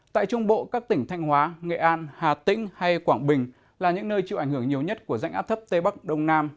tại trung bộ các tỉnh thanh hóa nghệ an hà tĩnh hay quảng bình là những nơi chịu ảnh hưởng nhiều nhất của rãnh áp thấp tây bắc đông nam